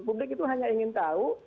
publik itu hanya ingin tahu